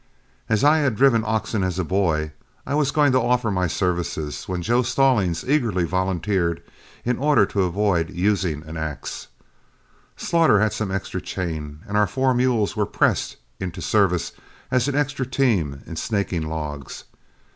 As I had driven oxen as a boy, I was going to offer my services, when Joe Stallings eagerly volunteered in order to avoid using an axe. Slaughter had some extra chain, and our four mules were pressed into service as an extra team in snaking logs.